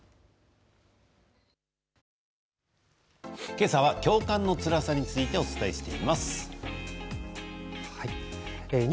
今朝は共感のつらさについてお伝えしています。